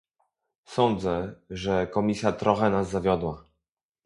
Sądzę, że Komisja trochę nas zawiodła